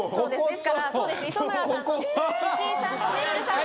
ですからそうです磯村さんそして岸井さんとめるるさん